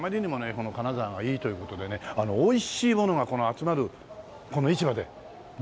この金沢がいいという事でねおいしいものがこの集まるこの市場でグルメ！